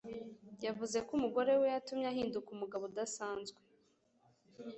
yavuze ko umugore we yatumye ahinduka umugabo udasanzwe.